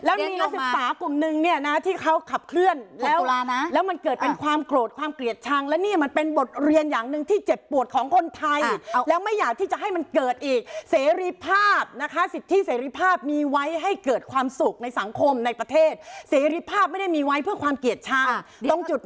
แล้วมีนักศึกษากลุ่มนึงเนี่ยนะที่เขาขับเคลื่อนแล้วแล้วมันเกิดเป็นความโกรธความเกลียดชังและนี่มันเป็นบทเรียนอย่างหนึ่งที่เจ็บปวดของคนไทยแล้วไม่อยากที่จะให้มันเกิดอีกเสรีภาพนะคะสิทธิเสรีภาพมีไว้ให้เกิดความสุขในสังคมในประเทศเสรีภาพไม่ได้มีไว้เพื่อความเกลียดชังตรงจุด